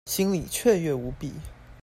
心裡雀躍無比